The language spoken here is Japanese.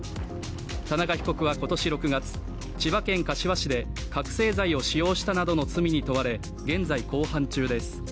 田中被告は今年６月千葉県柏市で覚醒剤を使用した罪などに問われ現在、公判中です。